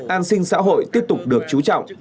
an sinh xã hội tiếp tục được chú trọng